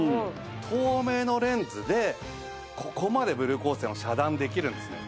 透明のレンズでここまでブルー光線を遮断できるんですね。